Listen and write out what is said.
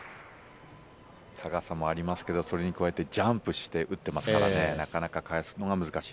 高さもありますけど、それに加えてジャンプして打ってますからなかなか返すのが難しい。